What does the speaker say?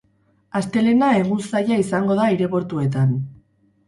Astelehena egun zaila izango da aireportuetan.